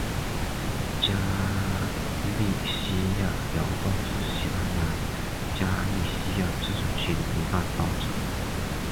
加利西亚邮报是西班牙加利西亚自治区的一份报纸。